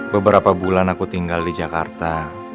beberapa bulan aku tinggal di jakarta